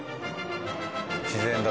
自然だ